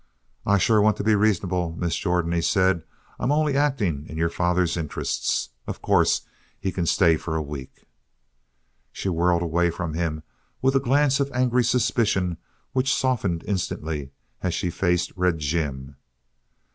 "I sure want to be reasonable, Miss Jordan," he said. "I'm only acting in your father's interests. Of course he can stay for a week." She whirled away from him with a glance of angry suspicion which softened instantly as she faced Red Jim.